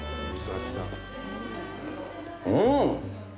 うん！